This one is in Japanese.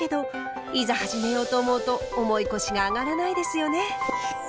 いざ始めようと思うと重い腰があがらないですよね。